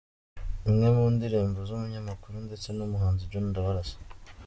Imwe mu ndirimbo z’umunyamakuru ndetse n’umuhanzi John Ndabarasa